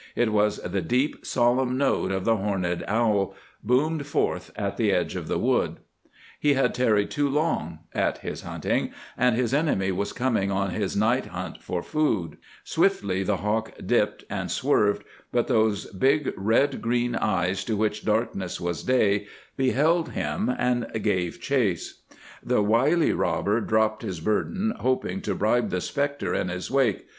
It was the deep, solemn note of the horned owl, boomed forth at the edge of the wood. He had tarried too long at his hunting, and his enemy was coming on his night hunt for food. [Illustration: "Zigzagging nimbly, he strove to elude his pursuer."] Swiftly the hawk dipped and swerved, but those big red green eyes, to which darkness was day, beheld him, and gave chase. The wily robber dropped his burden, hoping to bribe the spectre in his wake.